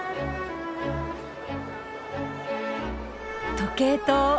時計塔。